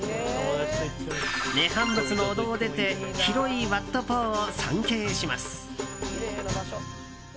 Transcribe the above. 涅槃仏のお堂を出て広いワット・ポーを参詣します。